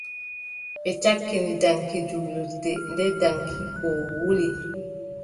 Ɓe cakkini daŋki jurlirnde, nden daŋki ɗo wuli.